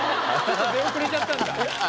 出遅れちゃったんだ。